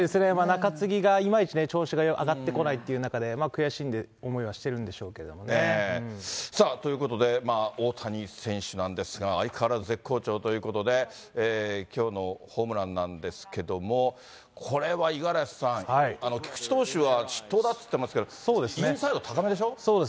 中継ぎがいまいちね、調子が上がってこないという中で、悔しい思いはしているんでしょうということで、大谷選手なんですが、相変わらず絶好調ということで、きょうのホームランなんですけれども、これは五十嵐さん、菊池投手は失投だと言ってますけど、インサイド高めでしょう。